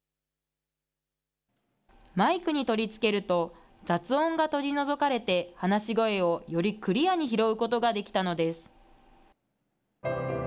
マイクに取り付けると、雑音が取り除かれて、話し声をよりクリアに拾うことができたのです。